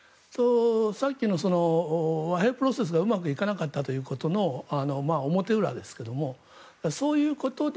さっきの和平プロセスがうまくいかなかったということの表裏ですけどもそういうことで